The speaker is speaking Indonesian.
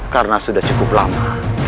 karena sudah cukup lama